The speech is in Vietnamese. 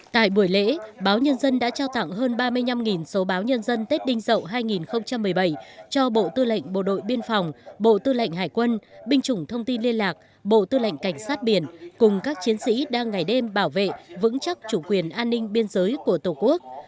tại buổi lễ báo nhân dân đã trao tặng hơn ba mươi năm số báo nhân dân tết đinh dậu hai nghìn một mươi bảy cho bộ tư lệnh bộ đội biên phòng bộ tư lệnh hải quân binh chủng thông tin liên lạc bộ tư lệnh cảnh sát biển cùng các chiến sĩ đang ngày đêm bảo vệ vững chắc chủ quyền an ninh biên giới của tổ quốc